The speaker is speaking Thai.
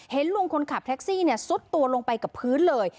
ลุงคนขับแท็กซี่ซุดตัวลงไปกับพื้นเลย